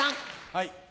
はい。